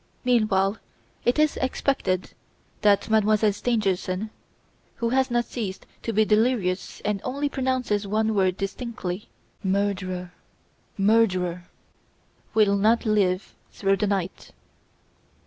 Meanwhile, it is expected that Mademoiselle Stangerson who has not ceased to be delirious and only pronounces one word distinctly, 'Murderer! Murderer!' will not live through the night."